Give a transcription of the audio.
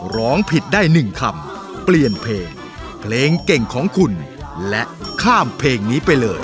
ร้องผิดได้หนึ่งคำเปลี่ยนเพลงเพลงเก่งของคุณและข้ามเพลงนี้ไปเลย